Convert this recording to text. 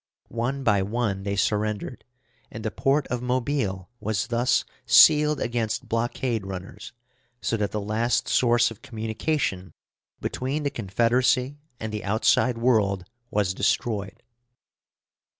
One by one they surrendered, and the port of Mobile was thus sealed against blockade runners, so that the last source of communication between the Confederacy and the outside world was destroyed.